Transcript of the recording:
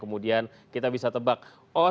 kemudian kita bisa tebak oh